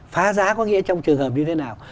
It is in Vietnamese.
phá giá có nghĩa trong trường hợp như thế nào